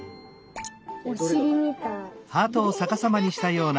おしりみたい。